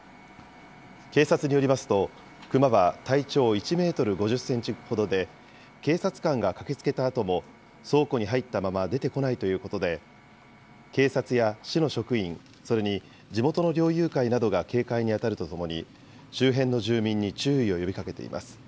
警察によりますと、クマは体長１メートル５０センチほどで、警察官が駆けつけたあとも、倉庫に入ったまま出てこないということで、警察や市の職員、それに地元の猟友会などが警戒に当たるとともに、周辺の住民に注意を呼びかけています。